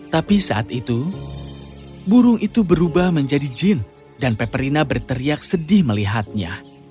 tapi saat itu burung itu berubah menjadi jin dan peperina berteriak sedih melihatnya